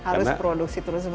harus produksi terus terusan